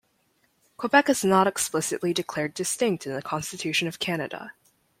Quebec is not explicitly declared distinct in the Constitution of Canada.